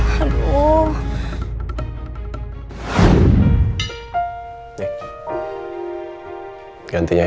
teleponnya dimana ya